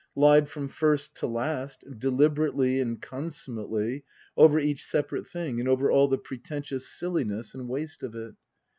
Lied from first to last, deliberately and consummately, over each separate thing and over all the pretentious silliness and waste of it.